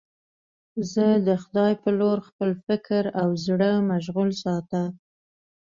زه د خدای په لور خپل فکر او زړه مشغول ساته.